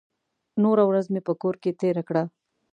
نوره ورځ مې په کور کې تېره کړه.